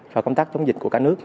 và công tác chống dịch của cả nước